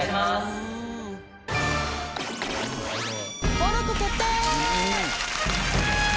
登録決定！